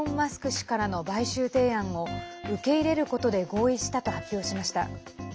氏からの買収提案を受け入れることで合意したと発表しました。